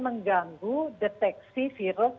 mengganggu deteksi virus